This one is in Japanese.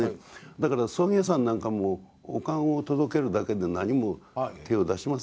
だから葬儀屋さんなんかもお棺を届けるだけで何も手を出しませんでした。